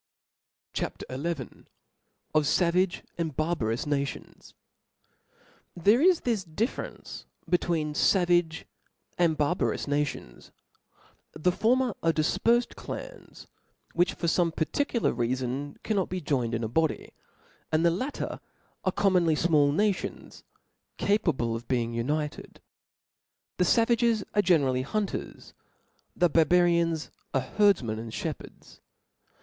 P d 4 CHAP, 4c8 T H E 8 P I R I T C H A P. XI. Offavage and barbarous Nations. B o OK ^Tp HERE is this difference between favago Chap. II. and barbarous nations ; the former are dif jfndia. perfed clans, which* for fome particular reafon, cannot be joined in a body ; and the latter aro commonly fmall nations, capable of being united, The favages are generally hunters ; the barba e rians are herdfmen and fhepherds.